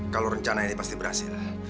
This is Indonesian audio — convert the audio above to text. kalau rencana ini pasti berhasil